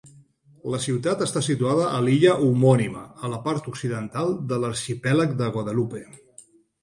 La ciutat està situada a l'illa homònima, a la part occidental de l'arxipèlag de Guadalupe.